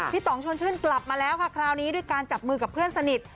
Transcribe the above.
ต่องชวนชื่นกลับมาแล้วค่ะคราวนี้ด้วยการจับมือกับเพื่อนสนิท